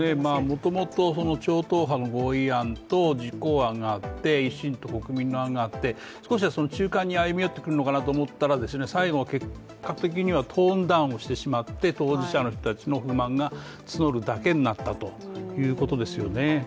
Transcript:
もともと超党派の合意案と実行案があって、維新と国民の案があって、少しは中間に歩み寄ってくるのかなと思ったら最後は結果的にはトーンダウンしてしまって、当事者の人たちの不安が募るだけになったということですよね。